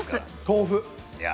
豆腐。